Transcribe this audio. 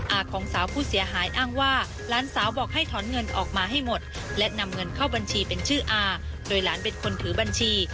อาของสาวผู้เสียหายอ้างว่าหลานสาวบอกให้ถอนเงินออกมาให้หมดและนำเงินเข้าบัญชีเป็นชื่ออาโดยหลานเป็นคนถือบัญชี